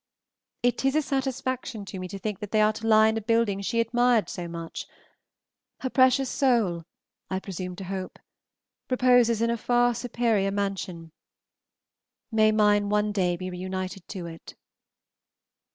It is a satisfaction to me to think that they are to lie in a building she admired so much; her precious soul, I presume to hope, reposes in a far superior mansion. May mine one day be reunited to it!